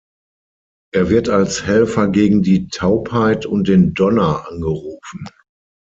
Er wird als Helfer gegen die Taubheit und den Donner angerufen.